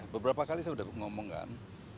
beberapa kali saya sudah mengomongkan